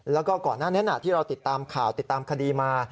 แล้วก็ก่อนหน้านี้ที่เราติดตามข่าวติดตามคดีมา